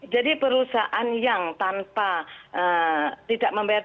jadi perusahaan yang tanpa tidak membayar